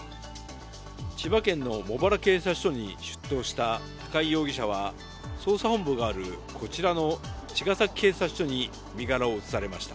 千葉県の茂原警察署に出頭した高井容疑者は捜査本部があるこちらの茅ヶ崎警察署に身柄を移されました。